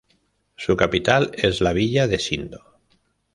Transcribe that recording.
Su capital es la villa de Sindo.